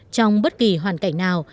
trong bất kỳ hoàn cảnh nào